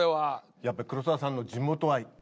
やっぱり黒沢さんの地元愛。